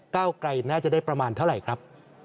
เก้าไกลน่าจะได้ประมาณเท่าไหร่ครับ